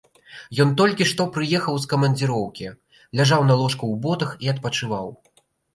Ён толькі што прыехаў з камандзіроўкі, ляжаў на ложку ў ботах і адпачываў.